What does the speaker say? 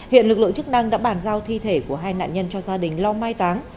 hiện lực lượng chức năng đã bàn giao thi thể của hai nạn nhân cho gia đình lo mai táng